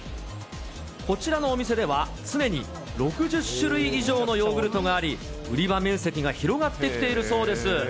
こちらのお店では、常に６０種類以上のヨーグルトがあり、売り場面積が広がってきているそうです。